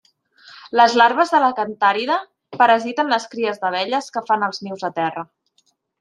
Les larves de la cantàrida parasiten les cries d'abelles que fan els nius a terra.